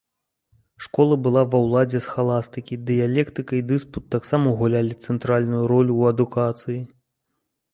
Школа была ва ўладзе схаластыкі, дыялектыка і дыспут таксама гулялі цэнтральную ролю ў адукацыі.